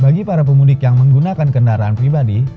bagi para pemudik yang menggunakan kendaraan pribadi